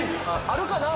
あるかな？